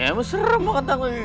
emang serem pak